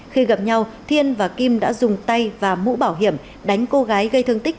khi gặp nhau thiên và kim đã dùng tay và mũ bảo hiểm đánh cô gái gây thương tích